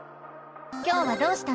今日はどうしたの？